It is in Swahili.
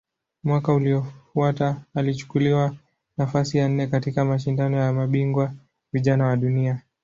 Mwaka uliofuata alichukua nafasi ya nne katika Mashindano ya Mabingwa Vijana wa Dunia.